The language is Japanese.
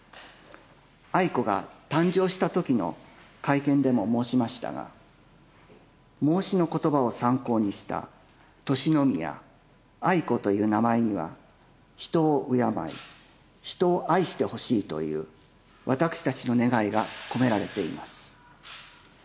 愛子が誕生したときの会見でも申しましたが孟子の言葉を参考にした敬宮愛子という名前には人を敬い人を愛してほしいという私たちの願いが込められています。